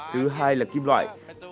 thứ hai là kim loại